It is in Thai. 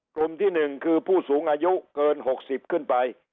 กลุ่มที่หนึ่งคือผู้สูงอายุเกินหกสิบขึ้นไป